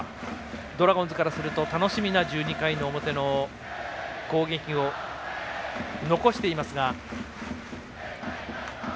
ドラゴンズからすると楽しみな１２回の表の攻撃を残しています。